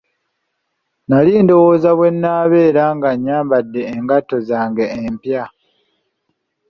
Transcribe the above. Nali ndowooza bwe nnabeera nga nyambadde engatto zange empya.